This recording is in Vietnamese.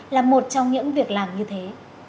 là một trong những việc làm như thế